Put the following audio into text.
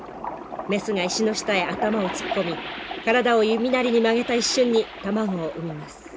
メスが石の下へ頭を突っ込み体を弓なりに曲げた一瞬に卵を産みます。